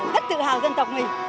rất tự hào dân tộc mình